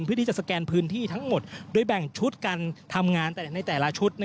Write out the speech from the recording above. เพื่อที่จะสแกนพื้นที่ทั้งหมดโดยแบ่งชุดการทำงานในแต่ละชุด